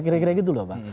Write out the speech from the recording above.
kira kira gitu loh pak